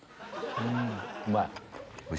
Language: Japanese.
うまい？